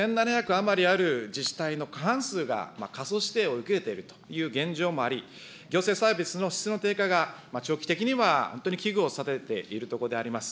余りある自治体の過半数が過疎指定を受けているという現状もあり、行政サービスの質の低下が長期的には本当に危惧をされているところであります。